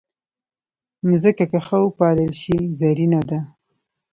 مځکه که ښه وپالل شي، زرینه ده.